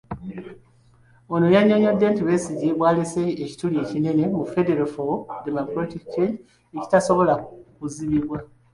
Ono yannyonnyodde nga Besigye bw'alese ekituli ekinene mu Federal for Democratic Change ekitasobola kuzibibwa.